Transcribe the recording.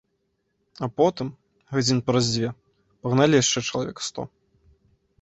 А потым, гадзіны праз дзве, пагналі яшчэ чалавек сто.